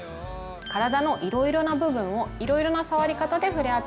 体のいろいろな部分をいろいろな触り方でふれあってみましょう。